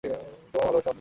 তোমার ভালোবাসার আঞ্জলি।